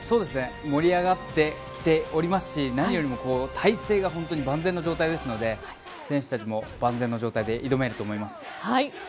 盛り上がってきておりますし何よりも態勢が万全の状態ですので選手たちも万全の状態で挑めると思います。